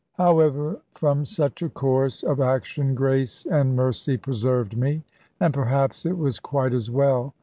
However, from such a course of action grace and mercy preserved me: and perhaps it was quite as well.